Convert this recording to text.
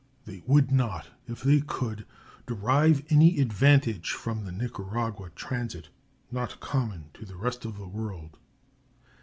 They would not, if they could, derive any advantage from the Nicaragua transit not common to the rest of the World.